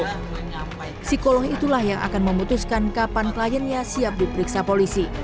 psikolog itulah yang akan memutuskan kapan kliennya siap diperiksa polisi